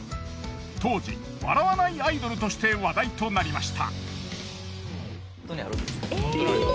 当時笑わないアイドルとして話題となりました。